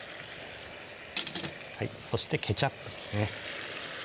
そしてケチャップですね